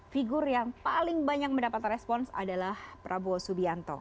figur yang paling banyak mendapatkan respons adalah prabowo subianto